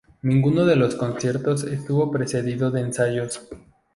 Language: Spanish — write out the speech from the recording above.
Ninguno de los conciertos estuvo precedido de ensayos.